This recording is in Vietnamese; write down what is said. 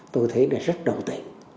tôi thấy là rất đồng tình